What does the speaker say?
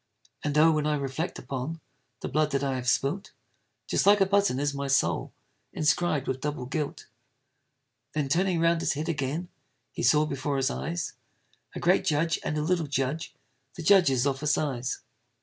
And, oh! when I reflect upon The blood that I have spilt, Just like a button is my soul, Inscrib'd with double guilt! Then turning round his head again, He saw before his eyes A great judge, and a little judge, The judges of a size!